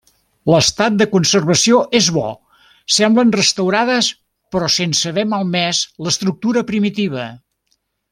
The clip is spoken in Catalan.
L'estat de conservació és bo, semblen restaurades però sense haver malmès l'estructura primitiva.